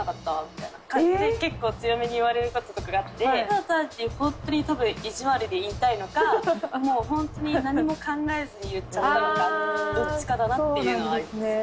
みたいな感じで結構強めに言われる事とかがあってただ単に本当に多分いじわるで言いたいのかもう本当に何も考えずに言っちゃったのかどっちかだなっていうのはあります。